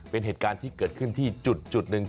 เป็นเหตุการณ์ที่เกิดขึ้นที่จุดหนึ่ง